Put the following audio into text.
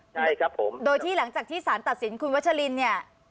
ใช่ครับผมโดยที่หลังจากที่สารตัดสินคุณวัชลินเนี่ย